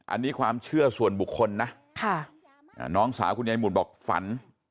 อันนี้ความเชื่อส่วนบุคคลนะน้องสาวคุณยายหมุนบอกฝัน